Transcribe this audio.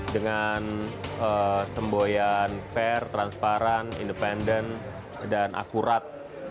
dengan semboyan fair transparan independen dan akurat